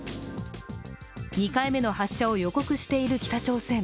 ２回目の発射を予告している北朝鮮